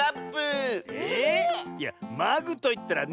えいや「まぐ」といったら「ねっと」。